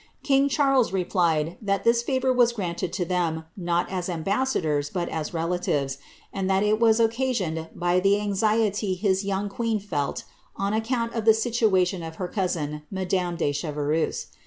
King Charles replied, that this favour was granted to them, not as ambassa dors, but as relatives, and that it was occasioned by the anxiety his roung queen felt on account of the situation of her cousin, madame de Chevreuse.